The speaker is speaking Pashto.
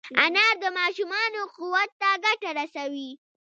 انار د ماشومانو قوت ته ګټه رسوي.